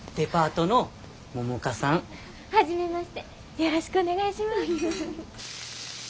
よろしくお願いします。